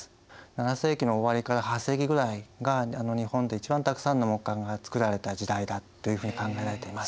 ７世紀の終わりから８世紀ぐらいが日本で一番たくさんの木簡が作られた時代だっていうふうに考えられています。